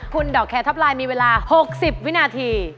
คุณดอกแคร์ท็อปไลน์มีเวลา๖๐วินาที